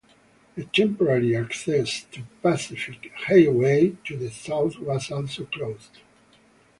The temporary access to Pacific Highway to the south was also closed.